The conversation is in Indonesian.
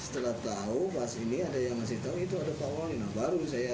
kalau kemudian ya pak wali nyeberin saya